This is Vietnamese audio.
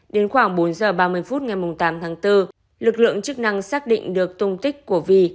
đến khoảng bốn giờ ba mươi phút ngày tám tháng bốn lực lượng chức năng xác định được tung tích của vi